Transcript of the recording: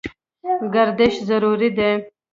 ګردش ضروري دی.